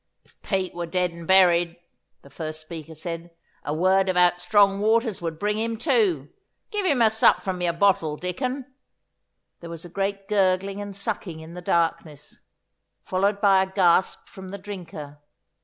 'If Pete were dead and buried,' the first speaker said, 'a word about strong waters would bring him to. Give him a sup from your bottle, Dicon.' There was a great gurgling and sucking in the darkness, followed by a gasp from the drinker.